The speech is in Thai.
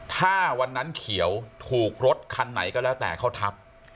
ถ้าวันนั้นเขียวถูกรถคันไหนก็แล้วแต่เขาทับ